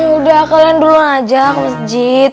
ya udah kalian duluan aja aku masjid